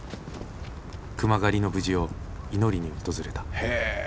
熊狩りの無事を祈りに訪れた。